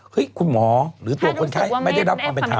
คุณหมอหรือตัวคนไข้ไม่ได้รับความเป็นธรรม